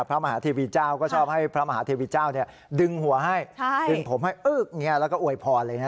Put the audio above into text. พระมหาธิวิตเจ้าก็ชอบให้พระมหาธิวิตเจ้าดึงหัวให้ดึงผมให้แล้วก็อวยพอน